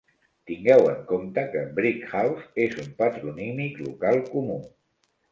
Tingueu en compte que "Brickhouse" és un patronímic local comú.